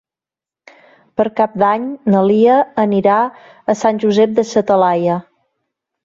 Per Cap d'Any na Lia anirà a Sant Josep de sa Talaia.